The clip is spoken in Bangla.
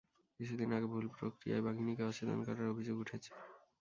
কিছুদিন আগে ভুল প্রক্রিয়ায় বাঘিনীকে অচেতন করার অভিযোগ উঠেছে।